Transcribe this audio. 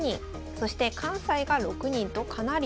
そして関西が６人とかなり多いです。